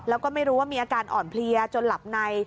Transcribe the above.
แล้วก็ไม่รู้ว่ามีอาการอ่อนเพลียจนหลับใน